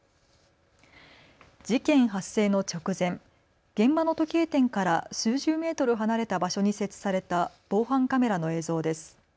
事件発生の直前、現場の時計店から数十メートル離れた場所に設置された防犯カメラの映像です。